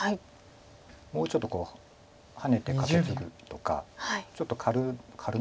もうちょっとハネてカケツグとかちょっと軽めというか。